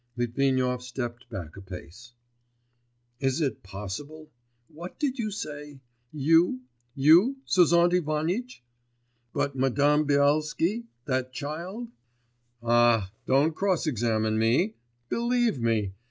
Litvinov stepped back a pace. 'Is it possible? What did you say?... You ... you ... Sozont Ivanitch? But Madame Byelsky ... that child?' 'Ah, don't cross examine me.... Believe me!